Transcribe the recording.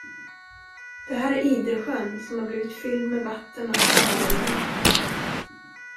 Det här är Idresjön, som har blivit fylld med vatten av Sörälven.